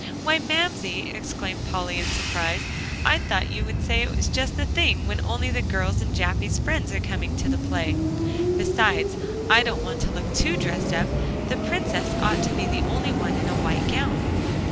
"Why, Mamsie!" exclaimed Polly in surprise, "I thought you'd say it was just the thing when only the girls and Jappy's friends are coming to the play. Besides, I don't want to look too dressed up; the Princess ought to be the only one in a white gown."